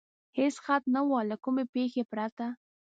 هېڅ خطر نه و، له کومې پېښې پرته.